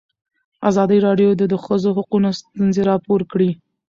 ازادي راډیو د د ښځو حقونه ستونزې راپور کړي.